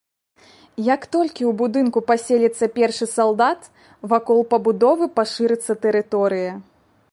Як толькі ў будынку паселіцца першы салдат, вакол пабудовы пашырыцца тэрыторыя.